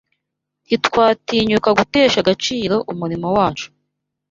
Ntitwatinyuka gutesha agaciro umurimo wacu